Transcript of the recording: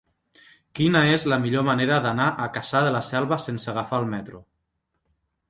Quina és la millor manera d'anar a Cassà de la Selva sense agafar el metro?